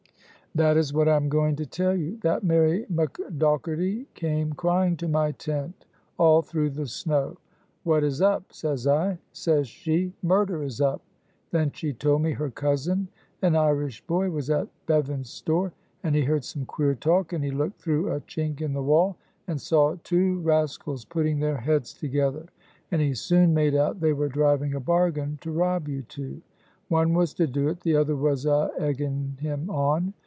"That is what I am going to tell you. That Mary McDogherty came crying to my tent all through the snow. 'What is up?' says I; says she, 'Murder is up.' Then she told me her cousin, an Irish boy, was at Bevan's store and he heard some queer talk, and he looked through a chink in the wall and saw two rascals putting their heads together, and he soon made out they were driving a bargain to rob you two. One was to do it, the other was a egging him on.